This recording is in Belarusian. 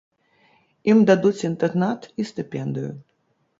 Ім дадуць інтэрнат і стыпендыю.